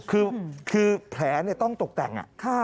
คือแผลต้องตกแต่ง